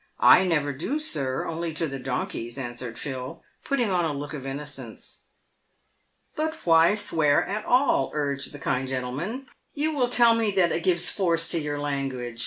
" 1 never do, sir, only to the donkeys," answered Phil, putting on a look of innocence. " But why swear at all?" urged the kind gentleman. "You will tell me that it gives force to your language.